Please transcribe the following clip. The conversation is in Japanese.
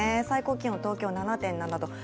最高気温、東京７．７度。